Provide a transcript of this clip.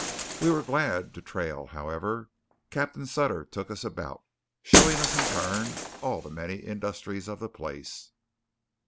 We were glad to trail, however. Captain Sutter took us about, showing us in turn all the many industries of the place.